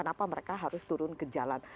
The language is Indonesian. kenapa mereka harus turun ke jalan